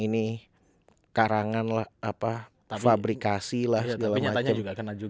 ini karangan lah apa fabrikasi lah segala macem